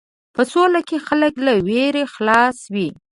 په سوله کې خلک له وېرو خلاص وي.